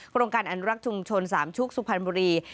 โรงการอนุรักษ์ชุมชนสามชุกสุพรรณบุรี